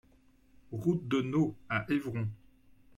Route de Neau à Évron